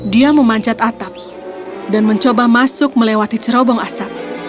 dia memanjat atap dan mencoba masuk melewati cerobong asap